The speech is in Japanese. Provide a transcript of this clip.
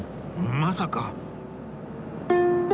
まさか